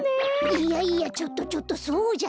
いやいやちょっとちょっとそうじゃなくて！